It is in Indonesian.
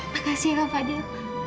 makasih ya kak fadil